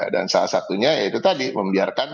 dan salah satunya ya itu tadi membiarkan